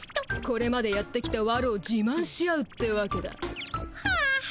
これまでやってきたわるを自まんし合うってわけだ。はあ。